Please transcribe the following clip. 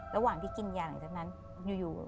ระหว่างที่กินยานั้นอยู่